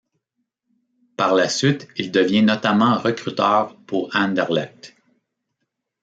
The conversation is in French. Par la suite, il devient notamment recruteur pour Anderlecht.